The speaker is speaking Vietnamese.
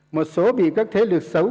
một số bị các thế lực xấu